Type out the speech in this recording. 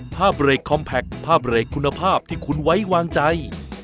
ภาพเลขคอมแพคภาพเลขคุณภาพที่คุณไว้วางใจ